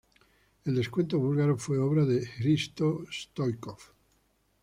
El descuento búlgaro fue obra de Hristo Stoichkov.